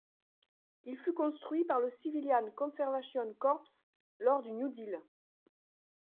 Il fut construit par le Civilian Conservation Corps lors du New Deal.